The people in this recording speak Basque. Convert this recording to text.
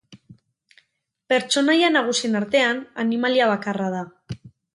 Pertsonaia nagusien artean, animalia bakarra da.